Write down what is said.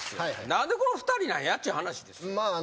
何でこの２人なんやっちゅう話ですよ。